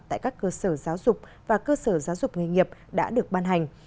tại các cơ sở giáo dục và cơ sở giáo dục nghề nghiệp đã được ban hành